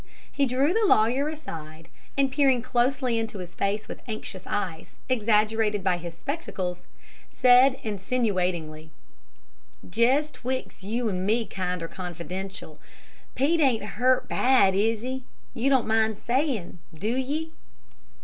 He drew the lawyer aside, and, peering closely into his face with anxious eyes exaggerated by his spectacles, said insinuatingly: "Jest 'twixt you and me kinder confidential, Pete ain't hurt bad, is he? You don't mind sayin', do ye?"